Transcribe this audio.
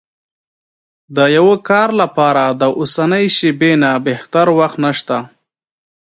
د يوه کار لپاره له اوسنۍ شېبې نه بهتر وخت نشته.